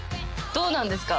どうなんですか？